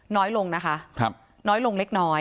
น้อยลงน้อยลงเล็ก